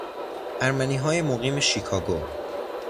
ارمنیهای مقیم شیکاگو